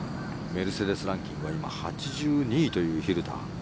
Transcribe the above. メルセデス・ランキングは今、８２位という蛭田。